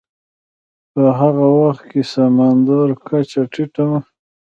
په هغه وخت کې سمندرې کچه ټیټه وه.